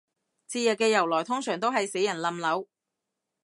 節日嘅由來通常都係死人冧樓